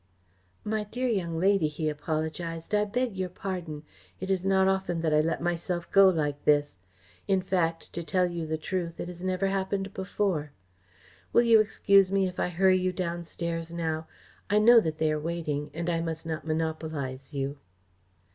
"My dear young lady," he apologised, "I beg your pardon. It is not often that I let myself go like this. In fact, to tell you the truth, it has never happened before. Will you excuse me if I hurry you downstairs now? I know that they are waiting, and I must not monopolise you."